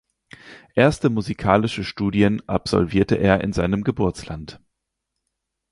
Erste musikalische Studien absolvierte er in seinem Geburtsland.